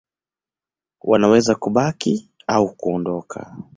Wanaweza kubaki au kuondoka.